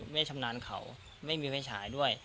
ไม่ชำนาญเขาไม่มีไฟฉายด้วย